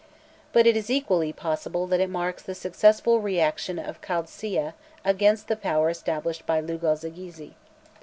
But it is equally possible that it marks the successful reaction of Chaldsea against the power established by Lugal zaggisi.